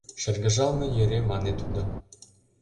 — шыргыжалме йӧре мане тудо.